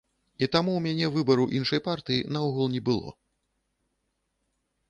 І таму ў мяне выбару іншай партыі наогул не было.